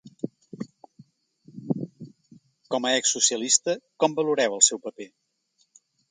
Com a ex-socialista, com valoreu el seu paper?